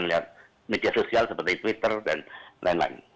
lihat media sosial seperti twitter dan lain lain